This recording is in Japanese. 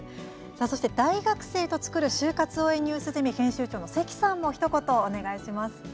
さあ、そして「大学生とつくる就活応援ニュースゼミ」の編集長、関さんもひと言お願いします。